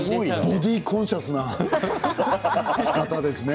ボディーコンシャスな方ですね。